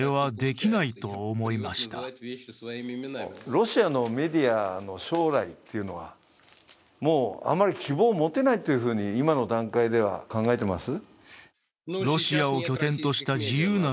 ロシアのメディアの将来というのは、もうあまり希望を持てないというふうに今の段階では考えてます？